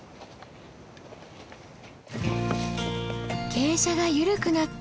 傾斜が緩くなった。